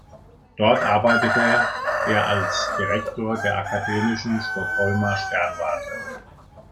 Dort arbeitete er als Direktor der akademischen Stockholmer Sternwarte.